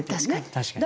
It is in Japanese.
確かに。